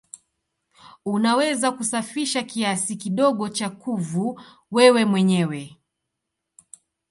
Unaweza kusafisha kiasi kidogo cha kuvu wewe mwenyewe.